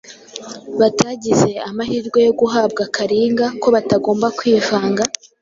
batagize amahirwe yo guhabwa Kalinga ko batagomba kwivanga